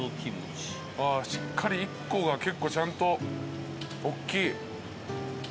しっかり１個が結構ちゃんとおっきい。